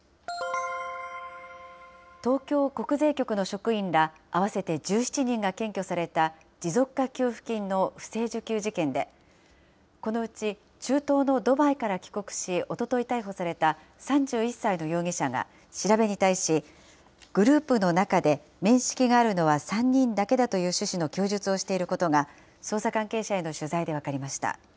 東京国税局の職員ら合わせて１７人が検挙された、持続化給付金の不正受給事件で、このうち中東のドバイから帰国し、おととい逮捕された３１歳の容疑者が調べに対し、グループの中で面識があるのは３人だけだという趣旨の供述をしていることが、捜査関係者への取材で分かりました。